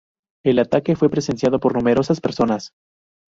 El ataque fue presenciado por numerosas personas.